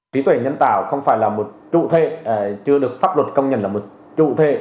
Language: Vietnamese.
trí tuệ nhân tạo không phải là một trụ thể chưa được pháp luật công nhận là một trụ thể